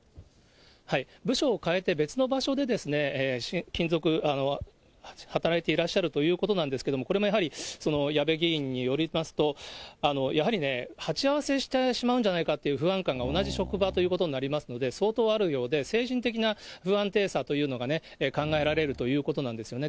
部署を変えて別の場所で働いていらっしゃるということなんですけれども、これもやはり、矢部議員によりますと、やはりね、鉢合わせしてしまうんじゃないかという不安感が同じ職場ということになりますので、相当あるようで、精神的な不安定さというのが考えられるということなんですよね。